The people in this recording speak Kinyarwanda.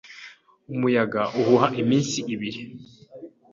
Umuyaga uhuha iminsi ibiri.